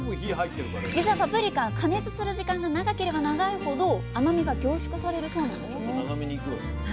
じつはパプリカは加熱する時間が長ければ長いほど甘みが凝縮されるそうなんですね。